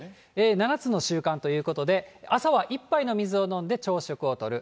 ７つの習慣ということで、朝は１杯の水を飲んで朝食をとる。